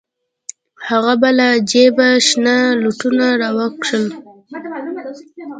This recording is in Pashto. هغه به له جيبه شنه لوټونه راوکښل.